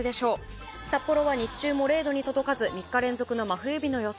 札幌は日中も０度に届かず３日連続の真冬日の予想。